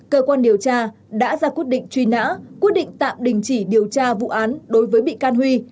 cơ quan điều tra đã ra quyết định truy nã quyết định tạm đình chỉ điều tra vụ án đối với bị can huy